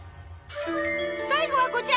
最後はこちら！